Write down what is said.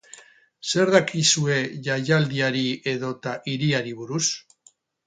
Zer dakizue jaialdiari edota hiriari buruz?